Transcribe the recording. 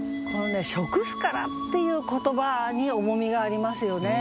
「食すから」っていう言葉に重みがありますよね。